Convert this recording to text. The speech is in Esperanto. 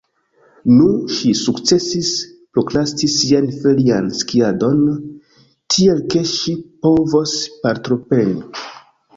Nu, ŝi sukcesis prokrasti sian ferian skiadon, tiel ke ŝi povos partopreni.